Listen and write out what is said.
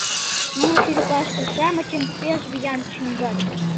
Нуно черепашке-шамычым пеш виян чӱҥгат.